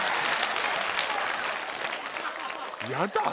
やだ。